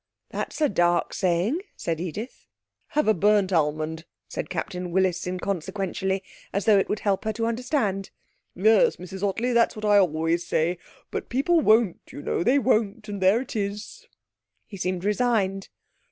'That's a dark saying,' said Edith. 'Have a burnt almond,' said Captain Willis inconsequently, as though it would help her to understand. 'Yes, Mrs Ottley, that's what I always say.... But people won't, you know they won't and there it is.' He seemed resigned.